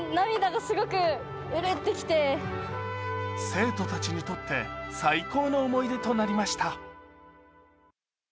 生徒たちにとって最高の思い出となりました。